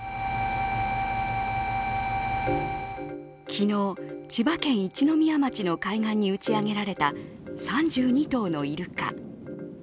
昨日、千葉県一宮町の海岸に打ち上げられた３２頭のイルカ。